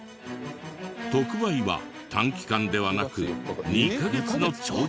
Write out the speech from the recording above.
特売は短期間ではなく２カ月の長期間も。